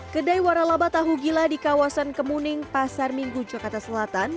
kedai waralaba tahu gila di kawasan kemuning pasar minggu jakarta selatan